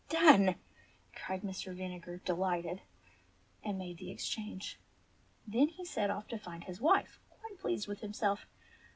"Done !" cried Mr. Vinegar, delighted, and made the ex change. Then he set off to find his wife, quite pleased with himself.